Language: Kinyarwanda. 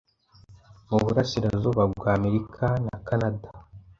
mu burasirazuba bwa Amerika na Kanada